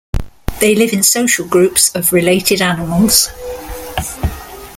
They live in social groups of related animals.